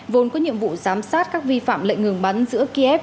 vốn có nhiệm vụ giám sát các vi phạm lệnh ngừng bắn giữa kiev